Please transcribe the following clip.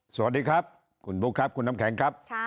สวัสดีครับคุณบุ๊คครับคุณน้ำแข็งครับ